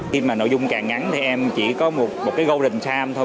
khi mà nội dung càng ngắn thì em chỉ có một cái golden time thôi